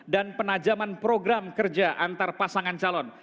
dan penajaman program kerja antar pasangan calon